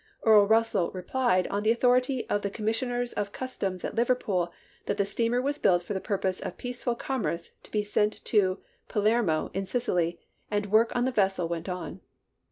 Earl Russell replied, on the authority of the Commissioners of Customs at Liverpool, that the steamer was built for the pui'pose of peaceful commerce to be sent to Pa lermo, in Sicily ; and work on the vessel went on.